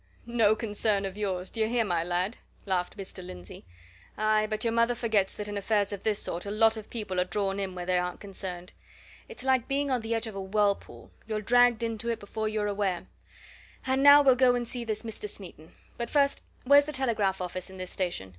"No concern of yours, d'ye hear, my lad?" laughed Mr. Lindsey. "Aye, but your mother forgets that in affairs of this sort a lot of people are drawn in where they aren't concerned! It's like being on the edge of a whirlpool you're dragged into it before you're aware. And now we'll go and see this Mr. Smeaton; but first, where's the telegraph office in this station?